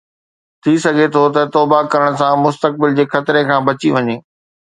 ٿي سگهي ٿو ته توبه ڪرڻ سان مستقبل جي خطري کان بچي وڃي